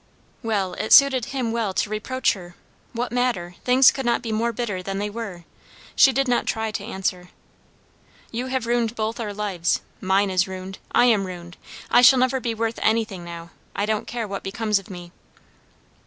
Well, it suited him well to reproach her! What matter? Things could not be more bitter than they were. She did not try to answer. "You have ruined both our lives. Mine is ruined; I am ruined. I shall never be worth anything now. I don't care what becomes of me."